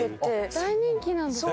大人気なんですね。